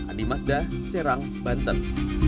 adi mazda serang banten